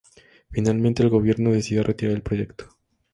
Finalmente, el gobierno decidió retirar el proyecto.